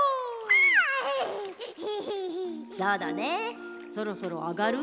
そうだねそろそろあがる？